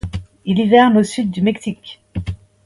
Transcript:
Il hiverne au sud du Mexique.